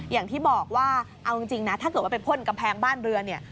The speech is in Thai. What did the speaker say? อย่างที่บอกว่าเอาจริงนะถ้าเกิดว่าไปพ่นกำแพงบ้านเรือนเนี่ย